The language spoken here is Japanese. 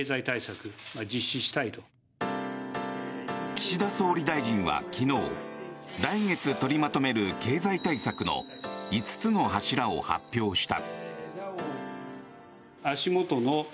岸田総理大臣は昨日来月取りまとめる経済対策の５つの柱を発表した。